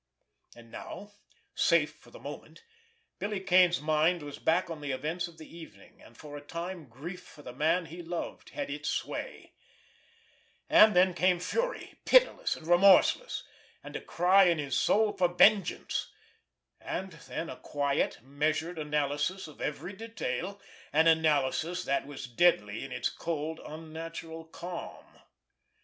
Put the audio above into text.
And now, safe for the moment, Billy Kane's mind was back on the events of the evening; and for a time grief for the man he loved had its sway; and then came fury, pitiless and remorseless, and a cry in his soul for vengeance; and then a quiet, measured analysis of every detail, an analysis that was deadly in its cold, unnatural calm.